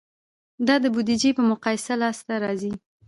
دا د بودیجې په مقایسه لاسته راځي.